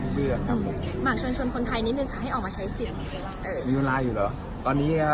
ทำให้มีเวลาอยู่เหรอ